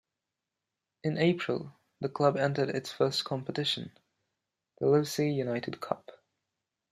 In April, the club entered its first competition, the Livesey United Cup.